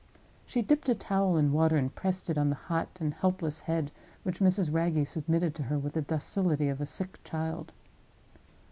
She dipped a towel in water, and pressed it on the hot and helpless head which Mrs. Wragge submitted to her with the docility of a sick child.